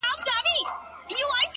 دا چي زه څه وايم ته نه پوهېږې څه وکمه